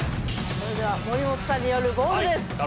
それでは森本さんによる「ボール」です。